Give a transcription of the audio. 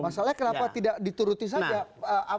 masalahnya kenapa tidak dituruti saja